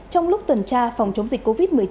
trong lúc tuần tra phòng chống dịch covid một mươi chín